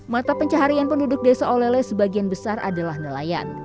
mata pencaharian penduduk desa olele sebagian besar adalah nelayan